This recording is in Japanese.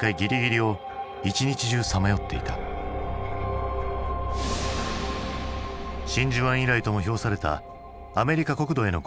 真珠湾以来とも評されたアメリカ国土への攻撃に政府も混乱。